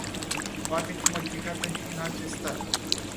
Poate fi modificată și în alte state.